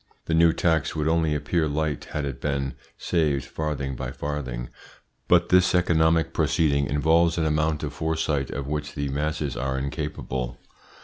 The new tax would only appear light had it been saved farthing by farthing, but this economic proceeding involves an amount of foresight of which the masses are incapable.